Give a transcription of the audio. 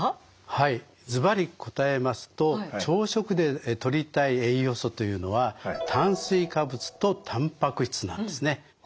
はいずばり答えますと朝食でとりたい栄養素というのは炭水化物とたんぱく質なんですね。